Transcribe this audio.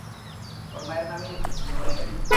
ওর মায়ের নামই হলো মেরি।